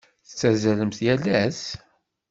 Tettazzalemt yal ass?